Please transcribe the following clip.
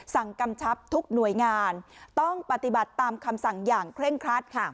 กำชับทุกหน่วยงานต้องปฏิบัติตามคำสั่งอย่างเคร่งครัดค่ะ